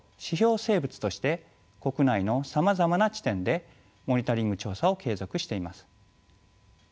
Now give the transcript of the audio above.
生物として国内のさまざまな地点でモニタリング調査を継続しています。